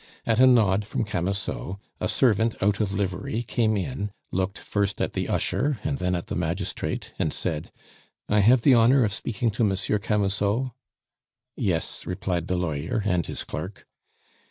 At a nod from Camusot, a servant out of livery came in, looked first at the usher, and then at the magistrate, and said, "I have the honor of speaking to Monsieur Camusot?" "Yes," replied the lawyer and his clerk.